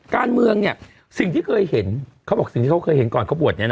การเมืองเนี่ยสิ่งที่เคยเห็นเขาบอกสิ่งที่เค้าเคยเห็นก่อนเค้าบวชเนี่ยนะ